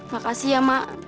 makasih ya emak